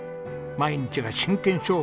毎日が真剣勝負。